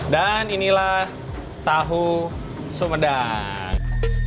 dan ini lah tahu sumedang